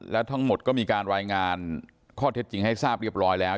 แล้วทั้งหมดก็มีการรายงานข้อเท็จจริงให้ทราบเรียบร้อยแล้ว